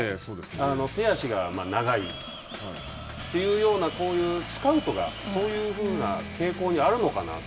手足が長いというような、こういうスカウトがそういうふうな傾向にあるのかなと。